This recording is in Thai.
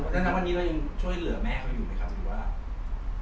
แนะนำวันนี้เรายังช่วยเหลือแม่เขาอยู่ไหมครับหรือว่า